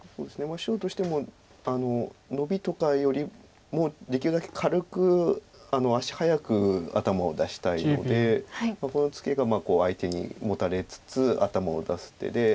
白としてもノビとかよりもできるだけ軽く足早く頭を出したいのでこのツケが相手にモタれつつ頭を出す手で。